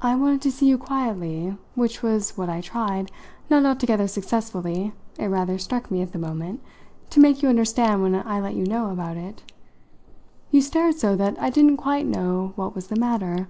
"I wanted to see you quietly; which was what I tried not altogether successfully, it rather struck me at the moment to make you understand when I let you know about it. You stared so that I didn't quite know what was the matter.